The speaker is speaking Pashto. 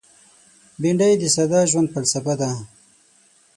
بېنډۍ د ساده ژوند فلسفه ده